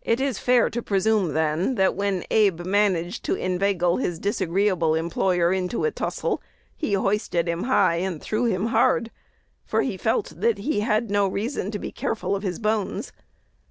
It is fair to presume, that, when Abe managed to inveigle his disagreeable employer into a tussle, he hoisted him high and threw him hard, for he felt that he had no reason to be careful of his bones.